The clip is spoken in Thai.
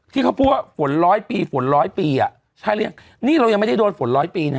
ที่เขาพูดว่าฝนร้อยปีฝนร้อยปีอ่ะใช่หรือยังนี่เรายังไม่ได้โดนฝนร้อยปีนะ